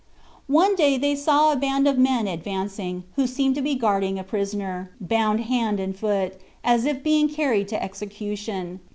One day they saw a band of men advancing, who seemed to be guarding a prisoner, bound hand and foot, as if being carried to execution.